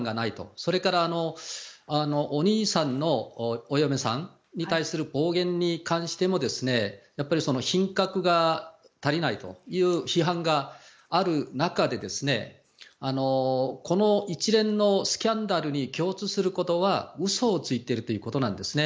それから、お兄さんのお嫁さんに対する暴言に関しても品格が足りないという批判がある中でこの一連のスキャンダルに共通することは嘘をついているということなんです。